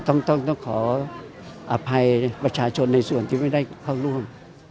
ต้องต้องขออภัยประชาชนในส่วนที่ไม่ได้เข้าร่วม